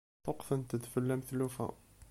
Ṭṭuqqtent-d fell-am tlufa.